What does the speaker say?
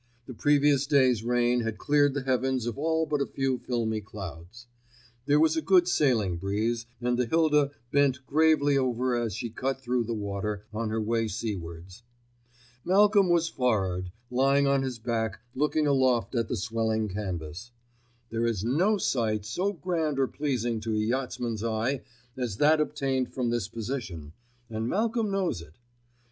The previous day's rain had cleared the heavens of all but a few filmy clouds. There was a good sailing breeze, and the Hilda bent gravely over as she cut through the water on her way seawards. Malcolm was for'ard, lying on his back looking aloft at the swelling canvas. There is no sight so grand or pleasing to a yachtsman's eye as that obtained from this position, and Malcolm knows it.